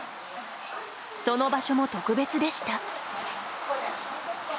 その場所も特別でした。